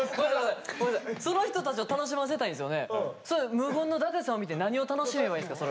それ無言の舘さんを見て何を楽しめばいいんすか？